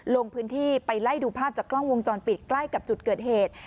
ลงพื้นที่ไปไล่ดูภาพจากกล้องวงจรปิดใกล้กับจุดเกิดเหตุ